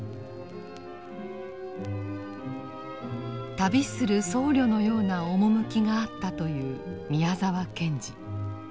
旅する僧侶のような趣があったという宮沢賢治。